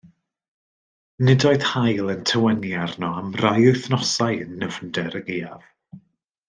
Nid oedd haul yn tywynnu arno am rai wythnosau yn nyfnder y gaeaf.